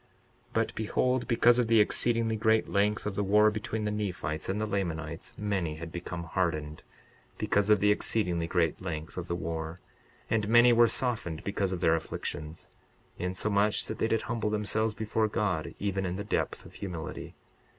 62:41 But behold, because of the exceedingly great length of the war between the Nephites and the Lamanites many had become hardened, because of the exceedingly great length of the war; and many were softened because of their afflictions, insomuch that they did humble themselves before God, even in the depth of humility.